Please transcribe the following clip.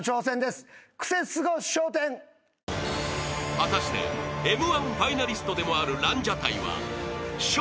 ［果たしてＭ−１ファイナリストでもあるランジャタイは笑